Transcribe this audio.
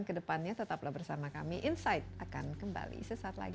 kedepannya tetaplah bersama kami insight akan kembali sesaat lagi